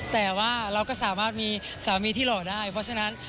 แต่ว่าเราก็สามารถมีสามีที่หล่อได้เพราะฉะนั้น